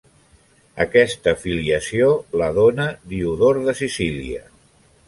Aquesta filiació la dóna Diodor de Sicília.